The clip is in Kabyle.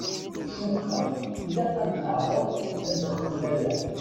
Cukkeɣ ilaq ad neɛṛeḍ ad nexdem aya.